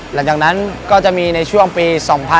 หลังจากนั้นก็จะมีในช่วงปี๒๕๖๒